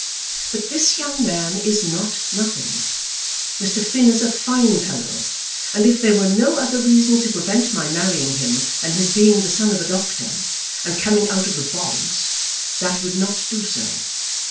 But this young man is not nothing. Mr. Finn is a fine fellow, and if there were no other reason to prevent my marrying him than his being the son of a doctor, and coming out of the bogs, that would not do so.